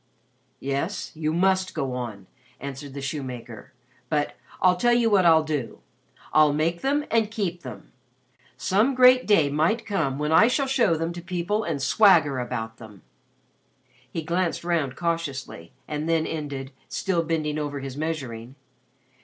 "Yes, you must go on," answered the shoemaker. "But I'll tell you what I'll do I'll make them and keep them. Some great day might come when I shall show them to people and swagger about them." He glanced round cautiously, and then ended, still bending over his measuring.